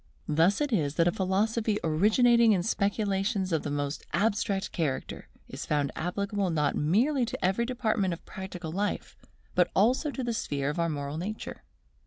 Thus it is that a philosophy originating in speculations of the most abstract character, is found applicable not merely to every department of practical life, but also to the sphere of our moral nature.